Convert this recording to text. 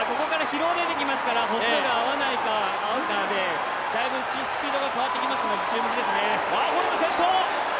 疲労が出てきますから歩数が合わないとだいぶスピードが変わってきますので注目ですね。